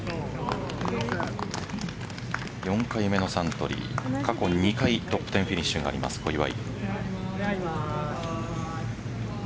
４回目のサントリー過去２回トップ１０フィニッシュがあります、小祝。